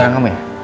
barang kamu ya